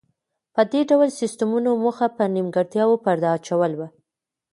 د دې ډول سیستمونو موخه پر نیمګړتیاوو پرده اچول و